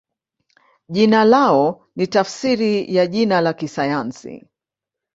Jina lao ni tafsiri ya jina la kisayansi.